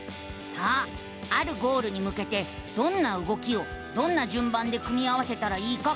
あるゴールにむけてどんな動きをどんなじゅんばんで組み合わせたらいいか考える。